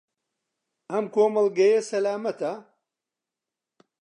ئەم کۆمەڵگەیە سەلامەتە؟